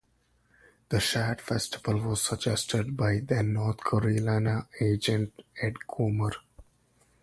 The Shad Festival was suggested by then North Carolina extension agent Ed Comer.